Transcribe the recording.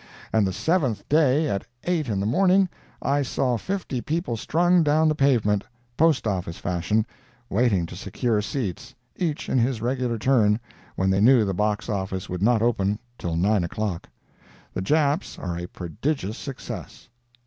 And the seventh day, at eight in the morning, I saw fifty people strung down the pavement, Post Office fashion, waiting to secure seats, each in his regular turn, when they knew the box office would not open till nine o'clock. The Japs are a prodigious success.